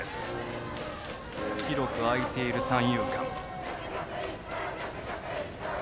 広く空いている三遊間。